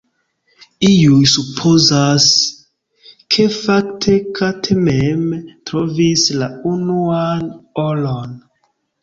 Iuj supozas, ke fakte Kate mem trovis la unuan oron.